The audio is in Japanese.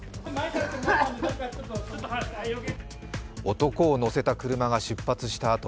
男を乗せた車が出発したあと